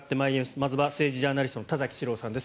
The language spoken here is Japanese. まずは政治ジャーナリストの田崎史郎さんです。